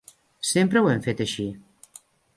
Sempre ho hem fet així.